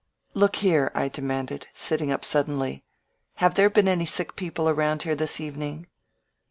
"Look here," I demanded, sitting up suddenly, Have there been any sick people around here this evening?"